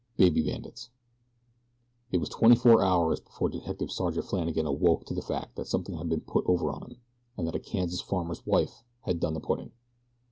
"BABY BANDITS" IT WAS twenty four hours before Detective Sergeant Flannagan awoke to the fact that something had been put over on him, and that a Kansas farmer's wife had done the putting.